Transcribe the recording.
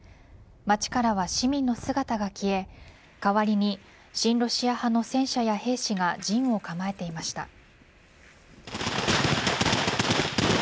街からは市民の姿が消え代わりに親ロシア派の戦車や兵士が陣を構えていました。